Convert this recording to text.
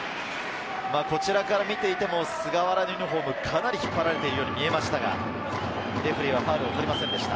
こちらから見ていても菅原のユニホーム、かなり引っ張られているように見えましたが、レフェリーはファウルをとりませんでした。